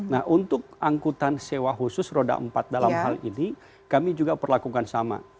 nah untuk angkutan sewa khusus roda empat dalam hal ini kami juga perlakukan sama